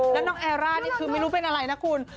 แล้วน้องแอร่านี่คือไม่รู้เป็นอะไรนะคุณ